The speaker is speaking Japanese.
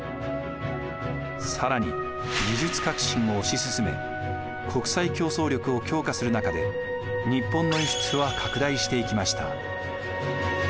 更に技術革新を推し進め国際競争力を強化する中で日本の輸出は拡大していきました。